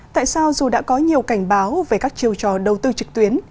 tại sao dù đã có nhiều cảnh báo về các chiêu trò đầu tư trực tuyến